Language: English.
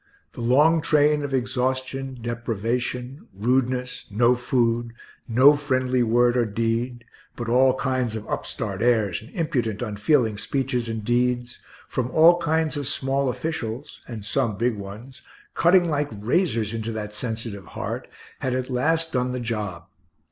the long train of exhaustion, deprivation, rudeness, no food, no friendly word or deed, but all kinds of upstart airs and impudent, unfeeling speeches and deeds, from all kinds of small officials (and some big ones), cutting like razors into that sensitive heart, had at last done the job.